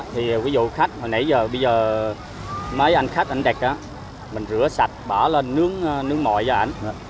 thì ví dụ khách nãy giờ bây giờ mấy anh khách ảnh đệch á mình rửa sạch bỏ lên nướng mội cho ảnh